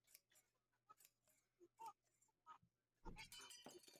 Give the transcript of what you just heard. watu wenye ku kuvaa nguo ya kiaskari sasa hatuwezi kutambua sawa sawa